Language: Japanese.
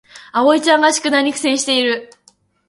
あおいちゃんが宿題に苦戦している